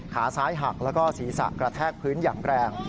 ขาซ้ายหักแล้วก็ศีรษะกระแทกพื้นอย่างแรง